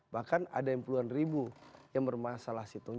bahkan ada yang puluhan ribu yang bermasalah situng